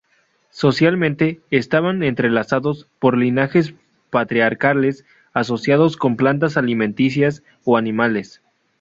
Socialmente, estaban entrelazados por linajes patriarcales asociados con plantas alimenticias o animales.